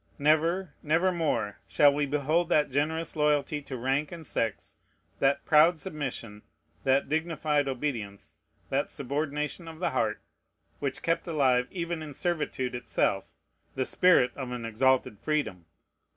Never, never more, shall we behold that generous loyalty to rank and sex, that proud submission, that dignified obedience, that subordination of the heart, which kept alive, even in servitude itself, the spirit of an exalted freedom!